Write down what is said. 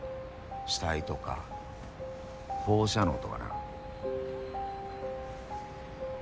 死体とか放射能とかな。